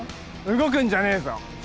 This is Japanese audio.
動くんじゃねえぞ！